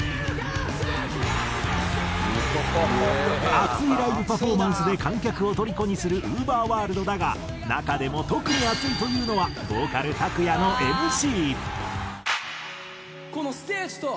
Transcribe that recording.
熱いライブパフォーマンスで観客をとりこにするＵＶＥＲｗｏｒｌｄだが中でも特にアツいというのはボーカルＴＡＫＵＹＡ∞のＭＣ。